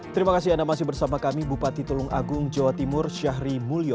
terima kasih anda masih bersama kami bupati tulung agung jawa timur syahri mulyo